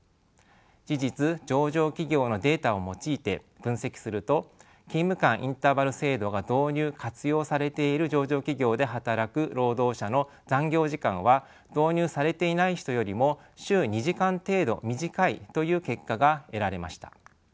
事実上場企業のデータを用いて分析すると勤務間インターバル制度が導入・活用されている上場企業で働く労働者の残業時間は導入されていない人よりも週２時間程度短いという結果が得られました。